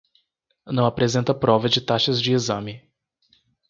Não apresenta prova de taxas de exame.